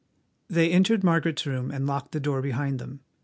They entered Margaret's room and locked the door behind them.